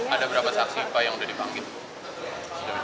ada berapa saksi pak yang sudah dipanggil